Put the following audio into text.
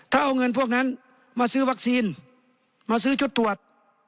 ถ้าเอาเงินพวกนั้นมาซื้อวัคซีนมาซื้อชุดตรวจ